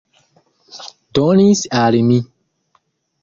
Donis al mi.